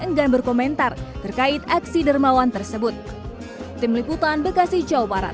enggan berkomentar terkait aksi dermawan tersebut tim liputan bekasi jawa barat